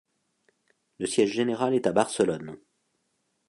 Le siège général est à Barcelone.